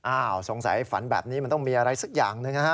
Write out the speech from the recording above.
อ้าวสงสัยฝันแบบนี้มันต้องมีอะไรสักอย่าง